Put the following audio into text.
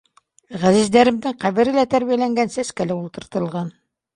Ғәзиздәремдең ҡәбере лә тәрбиәләнгән, сәскә лә ултыртылған.